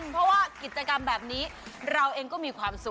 เพราะว่ากิจกรรมแบบนี้เราเองก็มีความสุข